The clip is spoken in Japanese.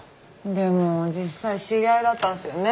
でも実際知り合いだったんですよね